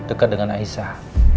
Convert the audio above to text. dekat dengan aisyah